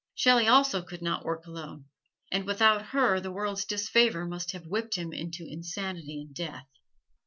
Shelley also could not work alone, and without her the world's disfavor must have whipped him into insanity and death.